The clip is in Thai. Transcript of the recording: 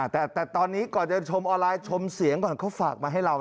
แต่ตอนนี้ก่อนจะชมออนไลน์ชมเสียงก่อนเขาฝากมาให้เรา